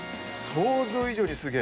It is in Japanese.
想像以上にすげえ。